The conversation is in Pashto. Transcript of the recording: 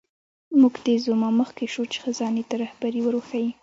موکتیزوما مخکې شو چې خزانې ته رهبري ور وښیي.